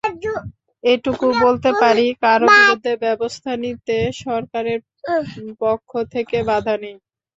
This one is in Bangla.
এটুকু বলতে পারি, কারও বিরুদ্ধে ব্যবস্থা নিতে সরকারের পক্ষ থেকে বাধা নেই।